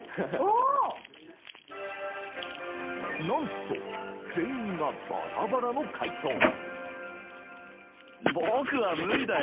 なんと、全員がバラバラの回答。